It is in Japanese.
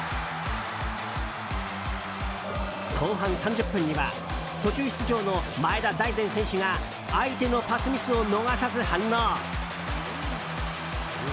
後半３０分には途中出場の前田大然選手が相手のパスミスを逃さず反応。